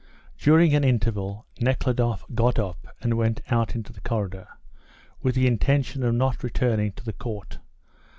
During an interval Nekhludoff got up and went out into the corridor, with the intention of not returning to the court.